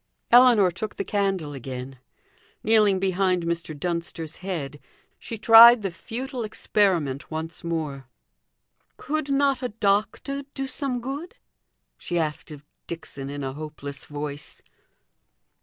Ellinor took the candle again; kneeling behind Mr. Dunster's head, she tried the futile experiment once more. "Could not a doctor do some good?" she asked of Dixon, in a hopeless voice.